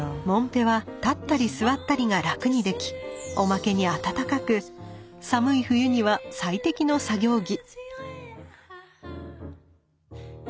もんぺは立ったり座ったりが楽にできおまけに暖かく寒い冬には最適の作業着。